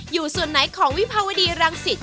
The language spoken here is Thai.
อยู่ส่วนไหนของวิภาวดีรังสิต